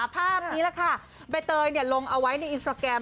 ภาพนี้แหละค่ะใบเตยลงเอาไว้ในอินสตราแกรม